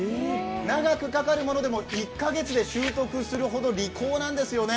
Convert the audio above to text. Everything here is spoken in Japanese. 長くかかるものでも１か月で習得するほど利口なんですよね。